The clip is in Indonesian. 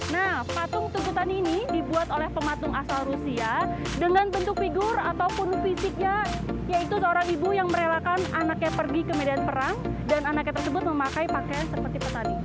nah patung tuntutan ini dibuat oleh pematung asal rusia dengan bentuk figur ataupun fisiknya yaitu seorang ibu yang merelakan anaknya pergi ke medan perang dan anaknya tersebut memakai pakaian seperti petani